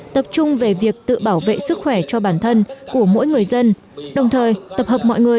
tập trung về việc tự bảo vệ sức khỏe cho bản thân của mỗi người dân đồng thời tập hợp mọi người